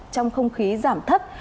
trong không khí giảm thấp